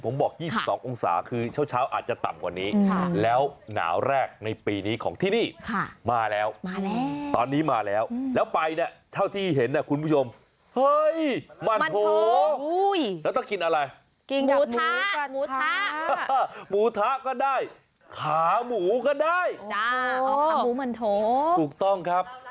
มูทะมูทะมูทะก็ได้ขามูก็ได้อ๋อขามูบรรโทษถูกต้องครับ